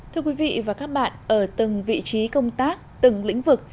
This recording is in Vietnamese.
thưa quý vị và các bạn ở từng vị trí công tác từng lĩnh vực